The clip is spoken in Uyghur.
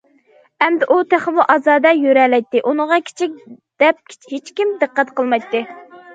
ئەمدى ئۇ تېخىمۇ ئازادە يۈرەلەيتتى، ئۇنىڭغا كىچىك دەپ ھېچكىم دىققەت قىلمايتتى.